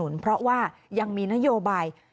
ครับ